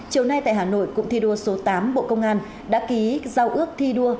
chiều nay tại hà nội cụm thi đua số tám bộ công an đã ký giao ước thi đua